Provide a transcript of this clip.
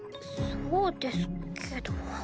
そうですけど。